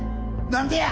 何でや！